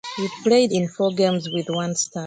He played in four games with one start.